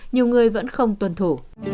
nhiều người vẫn không tuân thủ